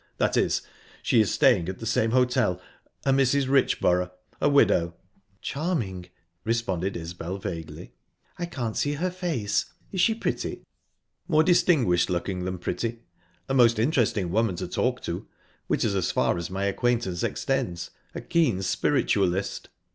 "That is, she is staying at the same hotel. A Mrs. Richborough a widow." "Charming!" responded Isbel vaguely. "I can't see her face. Is she pretty?" "More distinguished looking than pretty. A most interesting woman to talk to which is as far as my acquaintance extends. A keen spiritualist."